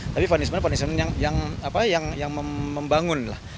tapi punishment punishment yang membangun lah